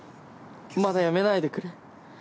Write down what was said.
まだやめないでくれ。